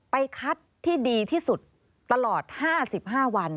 คัดที่ดีที่สุดตลอด๕๕วัน